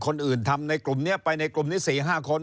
ทำในกลุ่มนี้ไปในกลุ่มนี้๔๕คน